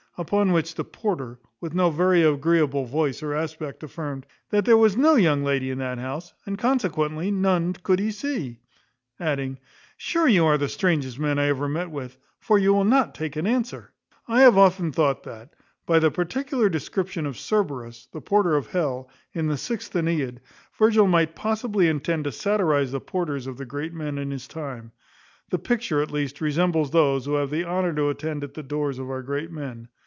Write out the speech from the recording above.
Upon which the porter, with no very agreeable voice or aspect, affirmed, "that there was no young lady in that house, and consequently none could he see;" adding, "sure you are the strangest man I ever met with, for you will not take an answer." I have often thought that, by the particular description of Cerberus, the porter of hell, in the 6th Aeneid, Virgil might possibly intend to satirize the porters of the great men in his time; the picture, at least, resembles those who have the honour to attend at the doors of our great men.